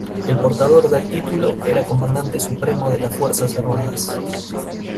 El portador del título era comandante supremo de las fuerzas armadas.